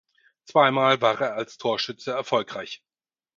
Zweimal war er als Torschütze erfolgreich.